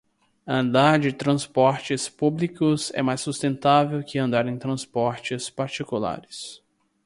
Andar de transportes públicos é mais sustentável que andar em transportes particulares.